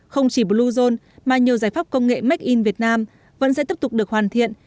không chỉ bluezone mà nhiều giải pháp công nghệ make in việt nam vẫn sẽ tiếp tục được hoàn thiện